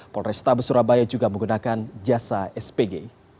polresta besurabaya juga menggunakan jasa spg